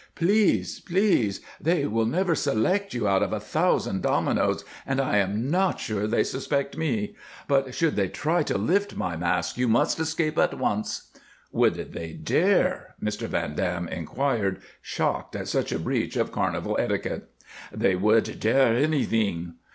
"Please! Please! They will never select you out of a thousand dominos, and I am not sure they suspect me. But should they try to lift my mask, you must escape at once." "Would they dare?" Mr. Van Dam inquired, shocked at such a breach of carnival etiquette. "They would dare anything."